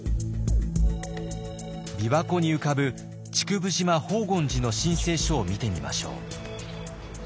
びわ湖に浮かぶ竹生島宝厳寺の申請書を見てみましょう。